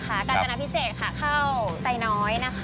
การจนาภิเษตรค่ะเข้าใสน้อยนะคะ